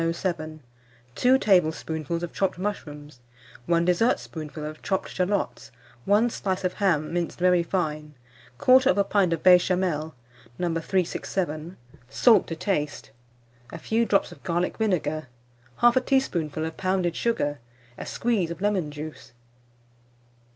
107; 2 tablespoonfuls of chopped mushrooms, 1 dessertspoonful of chopped shalots, 1 slice of ham, minced very fine; 1/4 pint of Béchamel, No. 367; salt to taste, a few drops of garlic vinegar, 1/2 teaspoonful of pounded sugar, a squeeze of lemon juice.